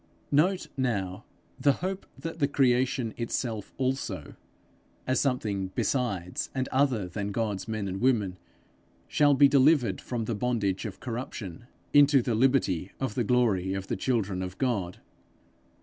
Note now 'the hope that the creation itself also,' as something besides and other than God's men and women, 'shall be delivered from the bondage of corruption, into the liberty of the glory of the children of God.'